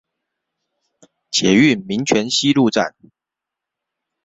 捷運民權西路站